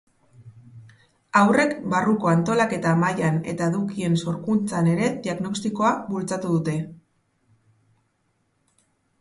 Hauek barruko antolaketa mailan eta edukien sorkuntzan ere diagnostikoa bultzatu dute.